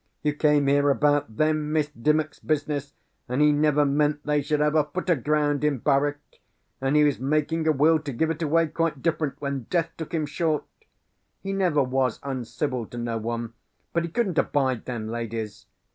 You came here about them Miss Dymock's business, and he never meant they should have a foot o' ground in Barwyke; and he was making a will to give it away quite different, when death took him short. He never was uncivil to no one; but he couldn't abide them ladies.